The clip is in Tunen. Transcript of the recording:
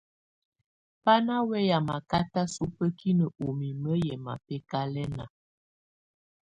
Bá ná wɛ́yá mákátá súbǝ́kinǝ́ ú mimǝ́ yɛ́ mábɛ́kálɛ́na.